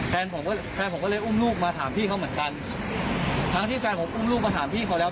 แฟนผมก็แฟนผมก็เลยอุ้มลูกมาถามพี่เขาเหมือนกันทั้งที่แฟนผมอุ้มลูกมาถามพี่เขาแล้ว